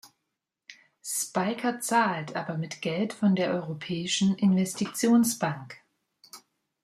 Spyker zahlt, aber mit Geld von der Europäischen Investitionsbank.